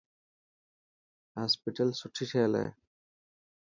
هاسپيٽل سٺي ٺهيل هتي.